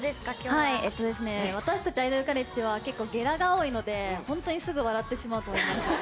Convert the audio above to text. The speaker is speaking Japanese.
私たちアイドルカレッジは、結構、ゲラが多いので、本当にすぐ笑ってしまうと思います。